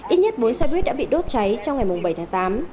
ít nhất bốn xe buýt đã bị đốt cháy trong ngày bảy tháng tám